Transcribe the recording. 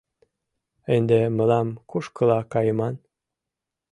— Ынде мылам кушкыла кайыман?